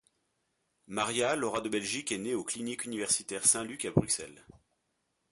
Maria Laura de Belgique est née aux Cliniques universitaires Saint-Luc à Bruxelles.